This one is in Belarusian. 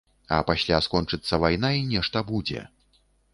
А пасля скончыцца вайна і нешта будзе.